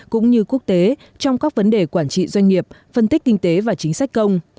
cũng như quốc tế trong các vấn đề quản trị doanh nghiệp phân tích kinh tế và chính sách công